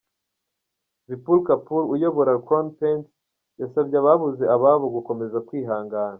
Vipul Kapul uyobora Crown Paints yasabye ababuze ababo gukomeza kwihangana.